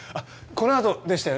このあとでしたよね